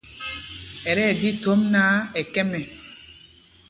Ɛ tí ɛji thōm náǎ, ɛ kɛ̄m ɛ.